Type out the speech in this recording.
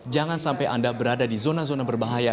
jangan sampai anda berada di zona zona berbahaya